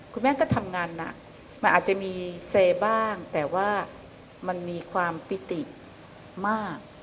คุณแม่ก็ทำงานหนักมันอาจจะมีเซบ้างแต่ว่ามันมีความปิติมาก